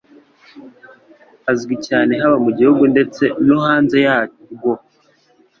Azwi cyane haba mu gihugu ndetse no hanze yarwo.